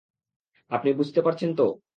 আপনি বুঝতে পারছেন তো?